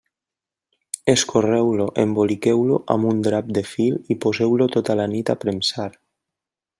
Escorreu-lo, emboliqueu-lo amb un drap de fil i poseu-lo tota la nit a premsar.